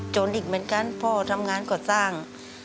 อีกเหมือนกันพ่อทำงานก่อสร้าง